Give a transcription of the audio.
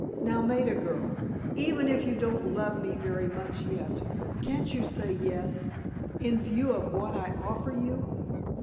Now, Maida, girl, even if you don't love me very much yet, can't you say yes, in view of what I offer you?"